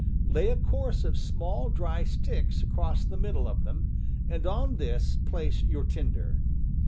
Lay a course of small, dry sticks across the middle of them, and on this place your tinder.